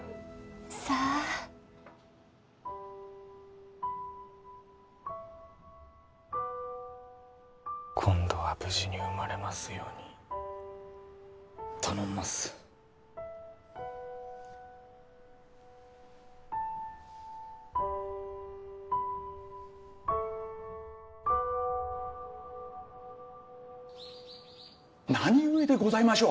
さあ今度は無事に生まれますように頼んます・何故でございましょう？